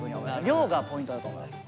量がポイントだと思います。